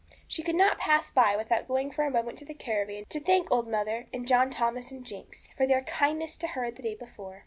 She could not pass by without going for a moment to the caravan to thank Old Mother, and John Thomas and Jinx, for their kindness to her the day before.